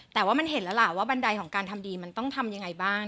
แต่ว่ามันเห็นแล้วล่ะว่าบันไดของการทำดีมันต้องทำยังไงบ้าง